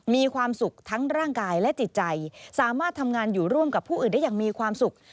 มีความสุขทั้งร่างกายและจิตใจสามารถทำงานอยู่ร่วมกับผู้อื่นได้อย่างมีความสุข